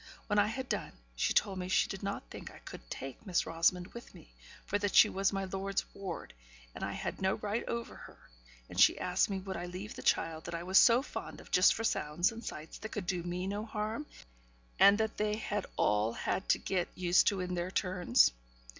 When I had done, she told me she did not think I could take Miss Rosamond with me, for that she was my lord's ward, and I had no right over her; and she asked me would I leave the child that I was so fond of just for sounds and sights that could do me no harm; and that they had all had to get used to in their turns?